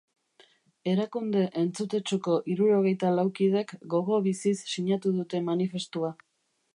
Erakunde entzutetsuko hirurogeita lau kidek gogo biziz sinatu dute manifestua.